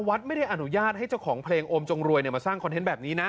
วัดไม่ได้อนุญาตให้เจ้าของเพลงโอมจงรวยมาสร้างคอนเทนต์แบบนี้นะ